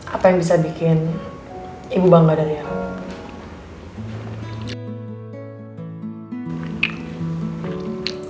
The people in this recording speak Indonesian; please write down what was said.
apa yang bisa bikin ibu bangga dari el